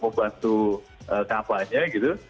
membantu kapalnya gitu